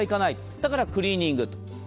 だからクリーニングと。